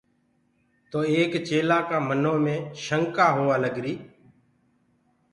تو ايڪ چيلهآ ڪآ منو مي شکآ هُوآري۔